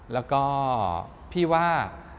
แล้วก็พี่ว่า